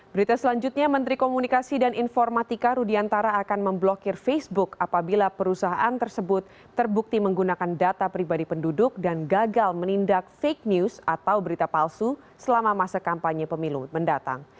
berita selanjutnya menteri komunikasi dan informatika rudiantara akan memblokir facebook apabila perusahaan tersebut terbukti menggunakan data pribadi penduduk dan gagal menindak fake news atau berita palsu selama masa kampanye pemilu mendatang